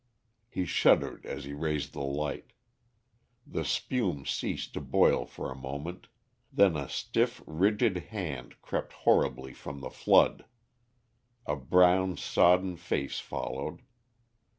He shuddered as he raised the light. The spume ceased to boil for a moment, then a stiff, rigid hand crept horribly from the flood. A brown sodden face followed.